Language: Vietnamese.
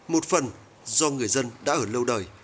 một phần do người dân đã ở lâu đời